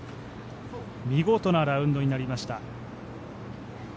見事なラウンドになりました。